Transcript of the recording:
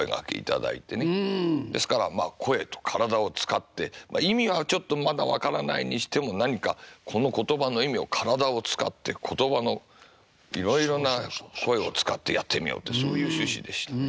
ですからまあ声と体を使って意味はちょっとまだ分からないにしても何かこの言葉の意味を体を使って言葉のいろいろな声を使ってやってみようってそういう趣旨でしたね。